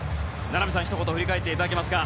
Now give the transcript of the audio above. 名波さん、ひと言振り返っていただけますか。